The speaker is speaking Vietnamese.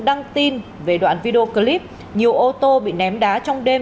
đăng tin về đoạn video clip nhiều ô tô bị ném đá trong đêm